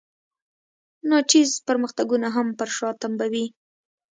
ناچیز پرمختګونه هم پر شا تمبوي.